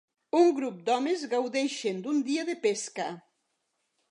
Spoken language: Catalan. Un grup d'homes gaudeixen d'un dia de pesca.